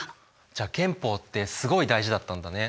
じゃあ憲法ってすごい大事だったんだね。